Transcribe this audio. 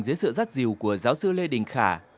dưới sự rắt dìu của giáo sư lê đình khả